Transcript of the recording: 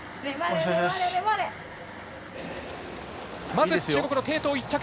まず中国の鄭濤１着。